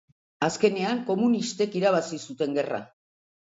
Azkenean komunistek irabazi zuten gerra.